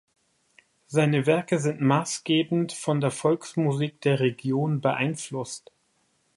Seine Werke sind maßgebend von der Volksmusik der Region beeinflusst.